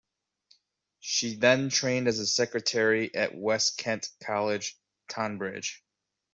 She then trained as a secretary at West Kent College, Tonbridge.